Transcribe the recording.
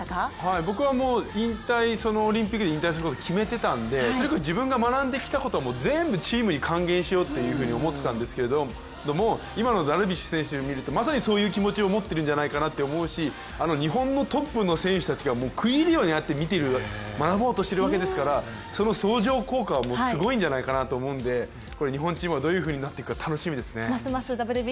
僕はオリンピックで引退すること決めてたんでとにかく自分が学んできたこと、全部チームに還元しようと思ってたんですけど今のダルビッシュ選手を見るとまさにそういう気持ちを持ってるんじゃないかなって思うし日本のトップの選手たちが食い入るように見て学ぼうとしてるわけですからその相乗効果はすごいんじゃないかなと思うんで日本チームがどういうふうになっていくか楽しみですね。